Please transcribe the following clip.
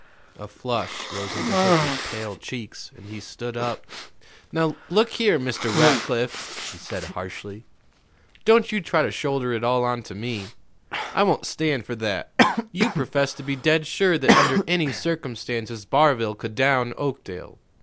A flush rose into Hooker's pale cheeks, and he stood up. "Now, look here, Mr. Rackliff," he said harshly, "don't you try to shoulder it all on to me. I won't stand for that. You professed to be dead sure that under any circumstances Barville could down Oakdale.